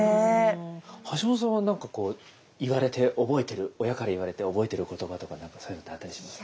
橋本さんは何かこう言われて覚えてる親から言われて覚えてる言葉とか何かそういうのってあったりします？